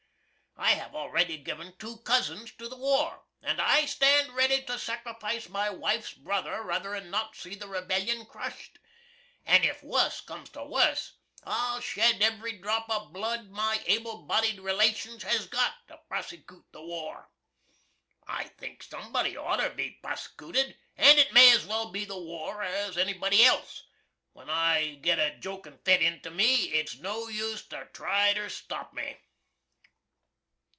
I have alreddy given two cousins to the war, & I stand reddy to sacrifiss my wife's brother ruther'n not see the rebelyin krusht. And if wuss cums to wuss I'll shed ev'ry drop of blud my able bodied relations has got to prosekoot the war. I think sumbody oughter be prosekooted, & it may as well be the war as any body else. When I git a goakin fit onto me it's no use to try ter stop me.